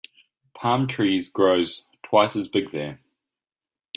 Palm trees grows twice as big there.